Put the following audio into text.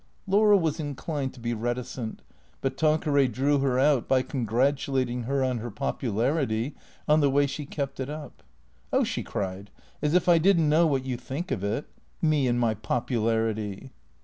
Laura was inclined to be reticent, but Tanqueray drew her out by congratulating her on her popularity, on the way she kept it up. " Oh," she cried, " as if I did n't know what you think of it. Me and my popularity